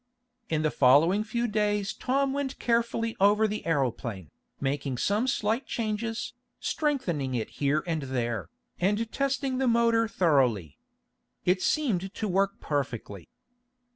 In the following few days Tom went carefully over the aeroplane, making some slight changes, strengthening it here and there, and testing the motor thoroughly. It seemed to work perfectly.